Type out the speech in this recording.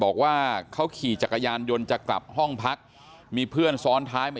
บอกว่าเขาขี่จักรยานยนต์จะกลับห้องพักมีเพื่อนซ้อนท้ายมา